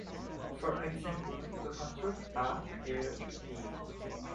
For example, to construct a r.e.